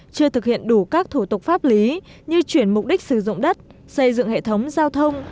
chưa thực hiện đủ các thủ tục pháp lý như chuyển mục đích sử dụng đất xây dựng hệ thống giao thông